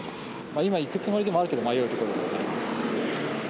今行くつもりではあるけど、迷うところでもあります。